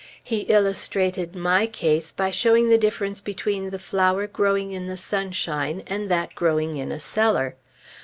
He illustrated my case by showing the difference between the flower growing in the sunshine and that growing in a cellar.